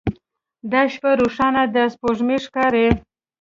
دا شپه روښانه ده سپوږمۍ ښکاري